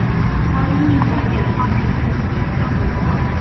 当阴影的点跨越线时就是正午。